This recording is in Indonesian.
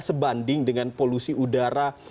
sebanding dengan polusi udara